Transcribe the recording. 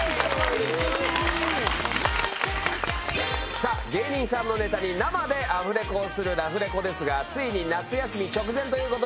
さあ芸人さんのネタに生でアフレコをするラフレコですがついに夏休み直前という事で。